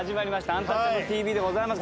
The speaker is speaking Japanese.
「アンタッチャブるＴＶ」でございます。